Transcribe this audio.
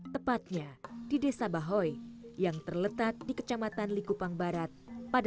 tepatnya di desa bahoy yang terletak di kecamatan likupang barat pada dua ribu empat belas